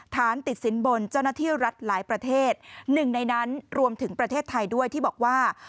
ฐานติดสินบนเจ้าหน้าที่รัฐหลายประเทศหนึ่งในนั้นรวมถึงประเทศไทยด้วยที่บอกว่า